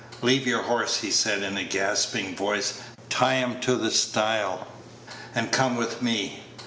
"Leave your horse," he said, in a gasping voice; "tie him to the stile, and come with me.